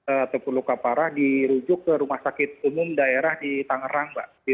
ataupun luka parah dirujuk ke rumah sakit umum daerah di tangerang mbak